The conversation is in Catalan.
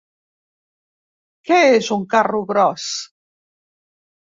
Què és un carro gros?